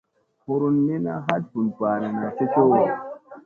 Hurun min a hat vun banana cocoʼo.